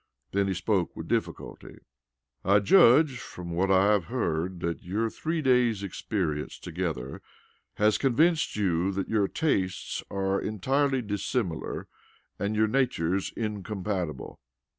Then he spoke with difficulty. "I judge from what I have heard that your three days' experience together has convinced you that your tastes are entirely dissimilar and your natures incompatible."